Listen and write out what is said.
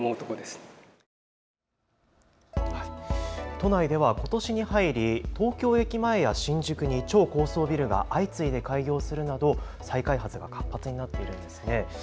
都内ではことしに入り東京駅前や新宿に超高層ビルが相次いで開業するなど再開発が活発になっているんです。